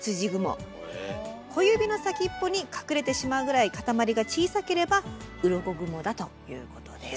小指の先っぽに隠れてしまうぐらいかたまりが小さければうろこ雲だということです。